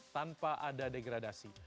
tanpa ada degradasi